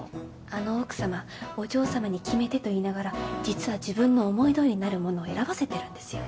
あの奥様お嬢様に「決めて」と言いながら実は自分の思いどおりになるものを選ばせてるんですよ。